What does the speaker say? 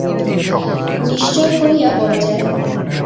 নিশ্চয় করিয়া বলা যায় না।